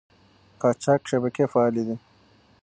قاچاق شبکې فعالې دي.